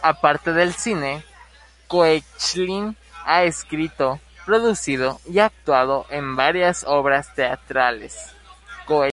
Aparte del cine, Koechlin ha escrito, producido y actuado en varias obras teatrales.